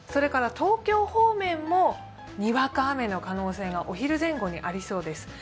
東京方面もにわか雨の可能性がお昼前後にありそうです。